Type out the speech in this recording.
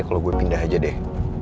kalau gue pindah aja deh